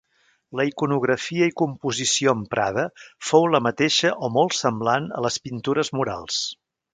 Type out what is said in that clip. La iconografia i composició emprada fou la mateixa o molt semblant a les pintures murals.